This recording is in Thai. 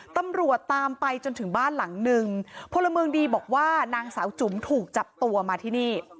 ตำรวจตามไปจนถึงบ้านหลังนึงพลเมืองดีบอกว่านางสาวจุ๋มถูกจับตัวมาที่นี่